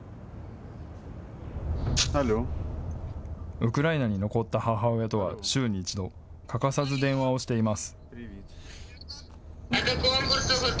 ウクライナに残った母親とは週に１度、欠かさず電話をしています。